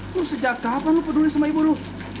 bu sejak kapan lu peduli sama ibu lu